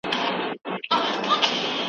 آیا د کلا دیوالونه لا هم هغسې لوړ دي؟